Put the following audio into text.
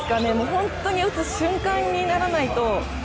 本当に打つ瞬間にならないと。